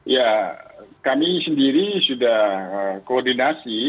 ya kami sendiri sudah koordinasi